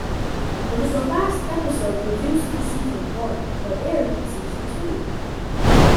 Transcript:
It was the last episode produced for season one but aired in season two.